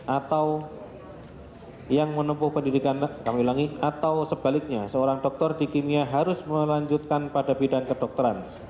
atau yang menempuh pendidikan kami ulangi atau sebaliknya seorang dokter di kimia harus melanjutkan pada bidang kedokteran